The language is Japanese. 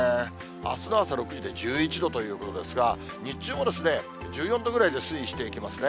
あすの朝６時で１１度ということですが、日中も１４度ぐらいで推移していきますね。